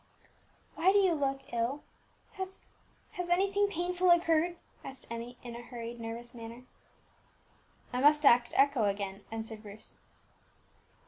"Why do you look ill? Has has anything painful occurred?" asked Emmie, in a hurried, nervous manner. "I must act echo again," answered Bruce.